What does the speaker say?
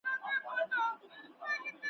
زه او ته به څنگه ښکار په شراکت کړو.